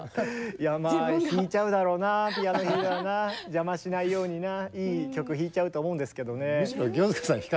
いやまあ弾いちゃうだろうなピアノ弾いたらな邪魔しないようにないい曲弾いちゃうと思うんですけどね。